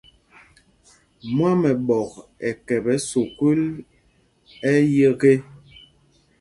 Mwamɛɓɔk ɛ kɛpɛ sukûl ɛyeke.